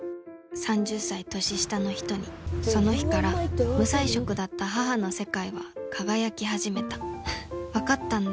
３０歳年下の人にその日から無彩色だった母の世界は輝き始めた分かったんだ。